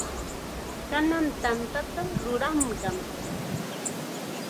Kanan tantata ruranqam.